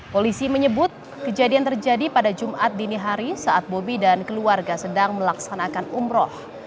polisi menyebut kejadian terjadi pada jumat dini hari saat bobi dan keluarga sedang melaksanakan umroh